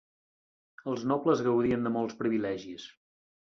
Els nobles gaudien de molts privilegis.